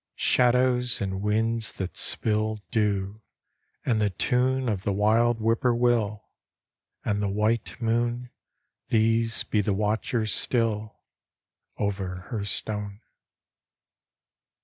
Shadows, and winds that spill Dew; and the tune Of the wild whippoorwill; And the white moon; These be the watchers still Over her stone.